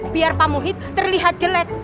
biar pak muhid terlihat jelek